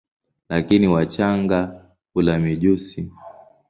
Lakini wachanga hula mijusi.